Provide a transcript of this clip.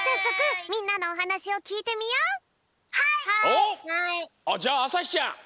おっじゃああさひちゃん！